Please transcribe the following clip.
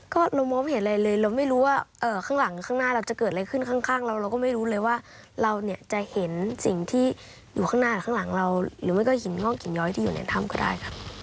ก็เรามองไม่เห็นอะไรเลยเราไม่รู้ว่าข้างหลังข้างหน้าเราจะเกิดอะไรขึ้นข้างเราเราก็ไม่รู้เลยว่าเราเนี่ยจะเห็นสิ่งที่อยู่ข้างหน้าหรือข้างหลังเราหรือไม่ก็หินงอกหินย้อยที่อยู่ในถ้ำก็ได้ค่ะ